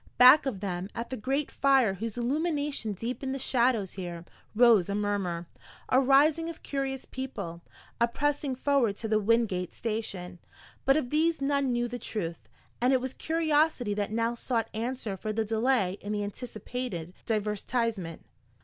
Back of them, at the great fire whose illumination deepened the shadows here, rose a murmur, a rising of curious people, a pressing forward to the Wingate station. But of these none knew the truth, and it was curiosity that now sought answer for the delay in the anticipated divertisement.